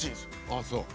ああそう！